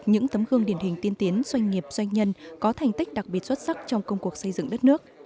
những tấm gương điển hình tiên tiến doanh nghiệp doanh nhân có thành tích đặc biệt xuất sắc trong công cuộc xây dựng đất nước